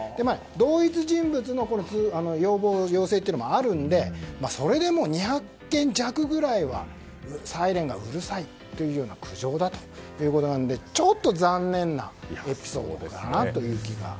同一人物の要望・要請もあるんですがそれでも２００件弱くらいはサイレンがうるさいというような苦情だということでちょっと残念なエピソードかなという気が。